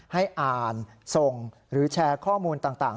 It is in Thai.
ให้อ่านส่งหรือแชร์ข้อมูลต่าง